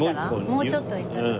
もうちょっと行った所。